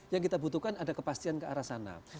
yang kita butuhkan ada kepastian ke arah sana